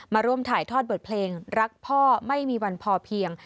มาร่วมถ่ายทอดบทเพลงรักพ่อไม่มีวันพอเพียง